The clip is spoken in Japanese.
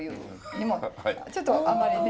ちょっとあんまりね。